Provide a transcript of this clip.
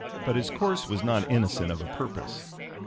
But his course was not innocent of a purpose.